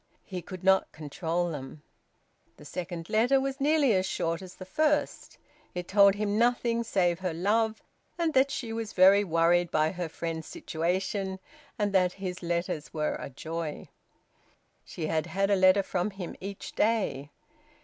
He could not control them. The second letter was nearly as short as the first. It told him nothing save her love and that she was very worried by her friend's situation, and that his letters were a joy. She had had a letter from him each day.